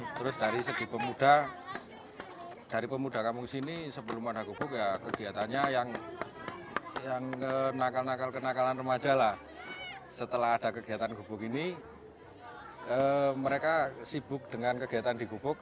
terus dari segi pemuda dari pemuda kampung sini sebelum ada gubuk ya kegiatannya yang kenakal nakal kenakalan remaja lah setelah ada kegiatan gubuk ini mereka sibuk dengan kegiatan di gubuk